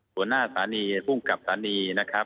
ตัวหน้าสรารีผู้กับสรรีนะครับ